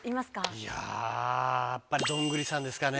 いややっぱりどんぐりさんですかね。